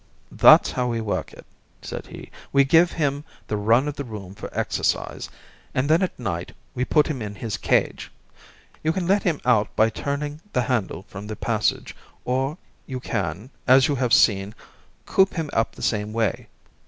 "That's how we work it," said he. "We give him the run of the room for exercise, and then at night we put him in his cage. You can let him out by turning the handle from the passage, or you can, as you have seen, coop him up in the same way.